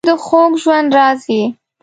• ته د خوږ ژوند راز یې.